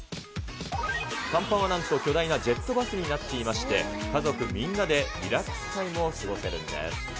甲板はなんと、巨大なジェットバスになっていまして、家族みんなでリラックスタイムを過ごせるんです。